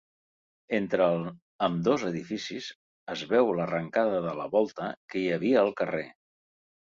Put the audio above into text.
Entre ambdós edificis es veu l'arrencada de la volta que hi havia al carrer.